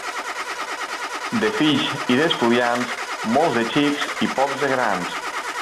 De fills i d'estudiants, molts de xics i pocs de grans.